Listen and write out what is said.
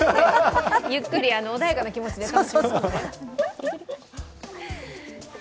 ゆっくり穏やかな気持ちでね。